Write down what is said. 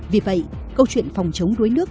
vì vậy câu chuyện phòng chống đuối nước